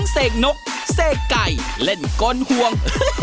เส้นไก่เล่นก้นห่วง